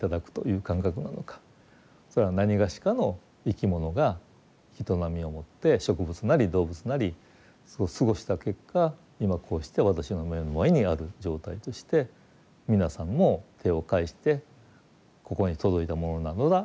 それはなにがしかの生き物が営みをもって植物なり動物なりそう過ごした結果今こうして私の目の前にある状態として皆さんも手を介してここに届いたものなのだ。